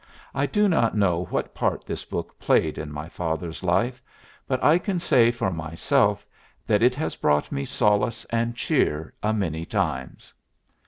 I do not know what part this book played in my father's life, but I can say for myself that it has brought me solace and cheer a many times.